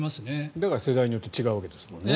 だから世代によって違うわけですもんね。